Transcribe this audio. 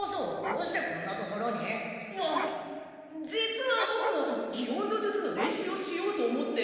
うっ実はボクも擬音の術の練習をしようと思って。